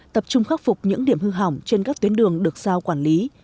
tập trung khắc phục những điểm hư hỏng trên các tuyến đường được sao quản lý